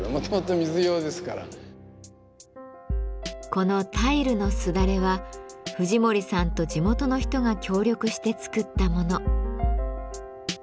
この「タイルのすだれ」は藤森さんと地元の人が協力して作ったもの。